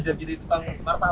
sudah cuci tangan sudah